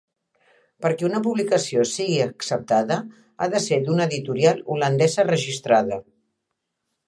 Perquè una publicació sigui acceptada, ha de ser d'una editorial holandesa registrada.